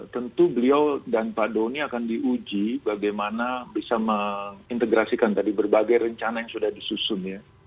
tentu beliau dan pak doni akan diuji bagaimana bisa mengintegrasikan tadi berbagai rencana yang sudah disusun ya